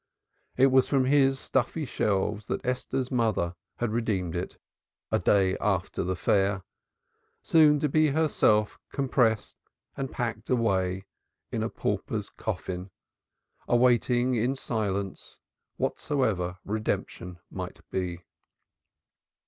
It was from his stuffy shelves that Esther's mother had redeemed it a day after the fair soon to be herself compressed and packed away in a pauper's coffin, awaiting in silence whatsoever Redemption might be.